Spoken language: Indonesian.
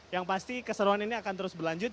yang pasti keseruan ini akan terus berlanjut